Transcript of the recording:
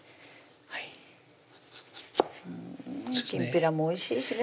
きんぴらもおいしいしね